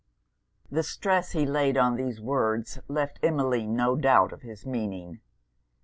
The stress he laid on these words left Emmeline no doubt of his meaning.